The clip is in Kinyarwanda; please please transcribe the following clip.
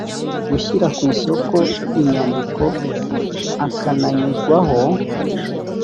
gushyira ku isoko inyandiko akananyuzwaho